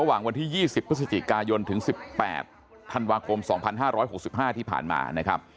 วันที่๒๐พฤศจิกายนถึง๑๘ธันวาคม๒๕๖๕ที่ผ่านมานะครับ